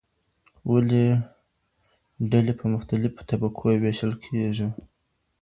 ولې ډلې په مختلفو طبقو وېشل کیږي؟